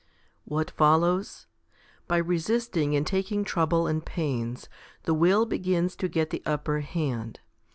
5. What follows ? By resisting and taking trouble and pains, the will begins to get the upper hand.